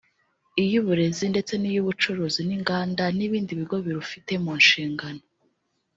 iy’Uburezi ndetse n’iy’Ubucuruzi n’Inganda n’ibindi bigo birufite mu nshingano